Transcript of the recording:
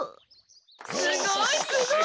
・すごいすごい！